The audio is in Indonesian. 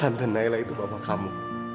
tante nailah itu mama kamu